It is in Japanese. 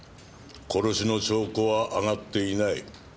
殺しの証拠は挙がっていない。